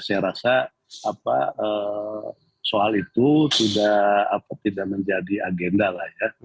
saya rasa soal itu sudah tidak menjadi agenda lah ya